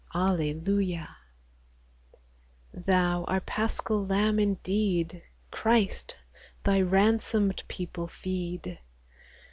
Alleluia ! Thou, our Paschal Lamb indeed, Christ, Thy ransomed people feed